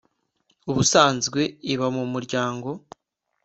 Ubusanzwe iba mu muryango